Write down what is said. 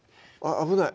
危ない